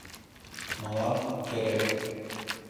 — Мылам — керек.